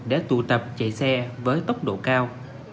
để tụ tập chạy xe với tốc độ cao